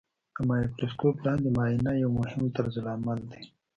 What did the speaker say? د مایکروسکوپ لاندې معاینه یو مهم طرزالعمل دی.